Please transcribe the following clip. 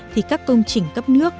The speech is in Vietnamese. thì các công trình cấp nước